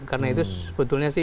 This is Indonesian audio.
karena itu sebetulnya sih